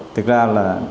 thực ra là